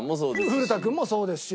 古田君もそうですし。